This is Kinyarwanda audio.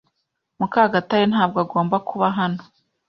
Mukagatare ntabwo agomba kuba hano.